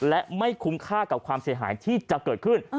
และไม่คุ้มค่ากับความเสียหายที่จะเกิดขึ้น